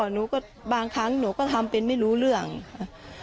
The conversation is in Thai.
หนูก็บางครั้งหนูก็ทำเป็นไม่รู้เรื่องค่ะ